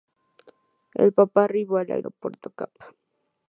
El papa arribó al aeropuerto Cap.